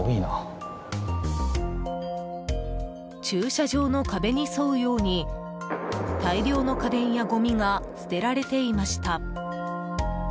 駐車場の壁に沿うように大量の家電やごみが捨てられていました。